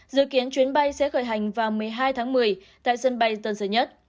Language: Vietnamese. dự kiến chuyến bay sẽ khởi hành vào một mươi hai tháng một mươi tại sân bay tân sơn nhất